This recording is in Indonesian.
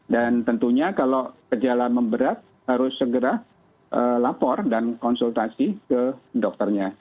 dan tentunya kalau kejalanan memberat harus segera lapor dan konsultasi ke dokternya